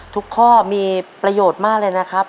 ข้อมีประโยชน์มากเลยนะครับ